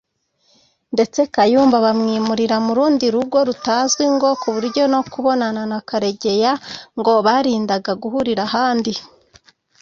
ndetse Kayumba bamwimurira mu rundi rugo rutazwi ngo kuburyo no kubonana na Karegeya ngo barindaga guhurira ahandi